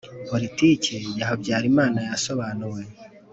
politike ya habyarimana yasobanuwe